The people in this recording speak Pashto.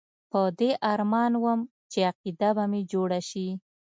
په دې ارمان وم چې عقیده به مې جوړه شي.